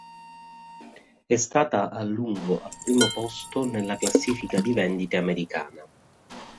È stata a lungo al primo posto nella classifica di vendite americana.